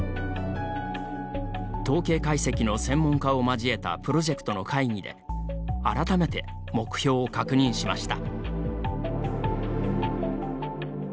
統計解析の専門家を交えたプロジェクトの会議で改めて目標を確認しました。